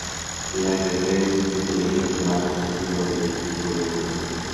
El Ajedrez es el ejemplo más conocido de este tipo de juegos.